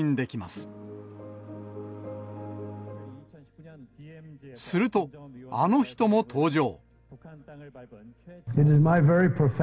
すると、あの人も登場。